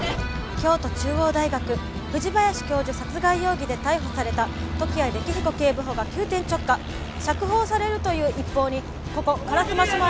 京都中央大学藤林教授殺害容疑で逮捕された時矢暦彦警部補が急転直下釈放されるという一報にここ烏丸署前。